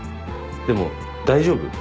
でも大丈夫？